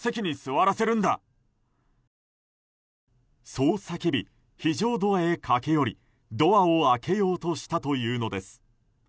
そう叫び、非常ドアへ駆け寄りドアを開けようとしたというのです。